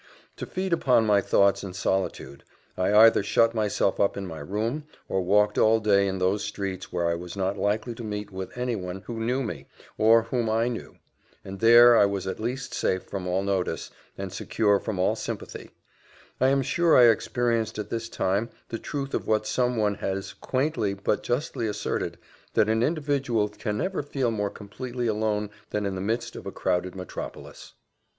To feed upon my thoughts in solitude, I either shut myself up in my room, or walked all day in those streets where I was not likely to meet with any one who knew me, or whom I knew; and there I was at least safe from all notice, and secure from all sympathy: I am sure I experienced at this time the truth of what some one has quaintly but justly asserted, that an individual can never feel more completely alone than in the midst of a crowded metropolis.